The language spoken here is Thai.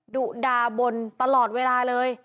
ดุดาบนตลอดเวลาเลย